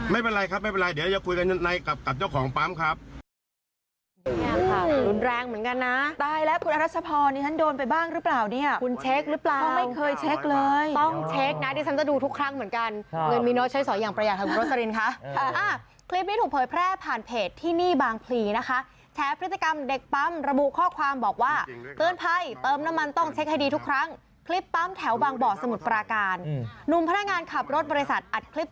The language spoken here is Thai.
ไม่เป็นไรครับไม่เป็นไรเดี๋ยวจะคุยกันในกับเจ้าของปั๊มครับ